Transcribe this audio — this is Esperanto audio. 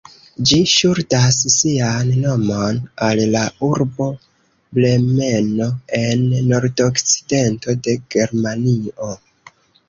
Ĝi ŝuldas sian nomon al la urbo Bremeno en nordokcidento de Germanio.